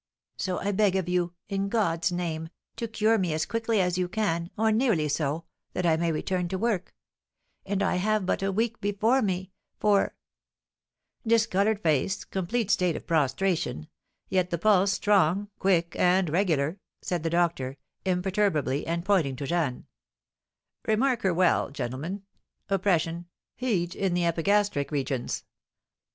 So I beg of you, in God's name, to cure me as quickly as you can, or nearly so, that I may return to work; and I have but a week before me, for " "Discoloured face, complete state of prostration, yet the pulse strong, quick, and regular," said the doctor, imperturbably, and pointing to Jeanne. "Remark her well, gentlemen: oppression, heat in the epigastric regions.